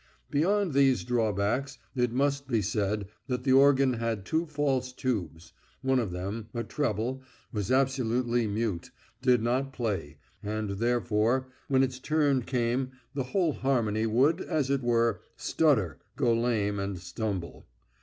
Beyond these drawbacks it must be said that the organ had two false tubes; one of them, a treble, was absolutely mute, did not play, and therefore when its turn came the whole harmony would, as it were, stutter, go lame and stumble.